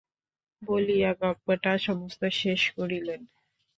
বলিয়া গল্পটা সমস্ত শেষ করিলেন।